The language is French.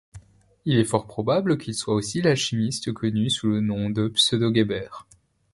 Il est fort probable qu'il soit aussi l’alchimiste connu sous le nom de Pseudo-Geber.